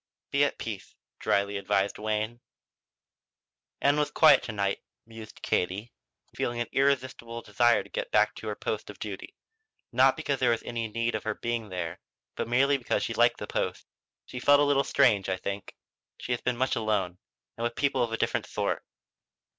"Be at peace," drily advised Wayne. "Ann was quiet to night," mused Katie, feeling an irresistible desire to get back to her post of duty, not because there was any need for her being there, but merely because she liked the post. "She felt a little strange, I think. She has been much alone and with people of a different sort."